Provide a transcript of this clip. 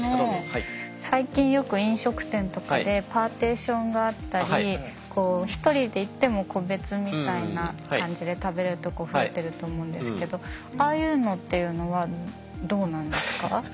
最近よく飲食店とかでパーテーションがあったり１人で行っても個別みたいな感じで食べれるとこ増えてると思うんですけどああいうのっていうのはどうなんですか？